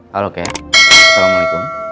halo ke assalamualaikum